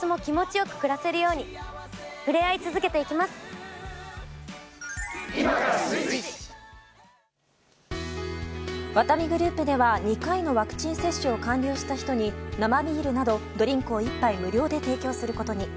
去年、一昨年は曇りや雨だったんですがワタミグループでは２回のワクチン接種を完了した人に生ビールなどドリンクを１杯無料で提供することに。